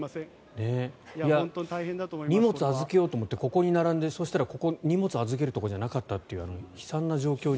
荷物を預けようと思ってここに並んでそうしたら荷物を預けるところじゃなかったっていう悲惨な状況に。